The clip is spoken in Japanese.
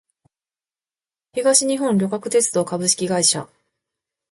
東日本旅客鉄道株式会社